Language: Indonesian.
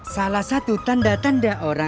salah satu tanda tanda orang